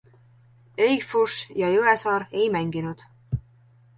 Eichfuss ja Jõesaar ei mänginud.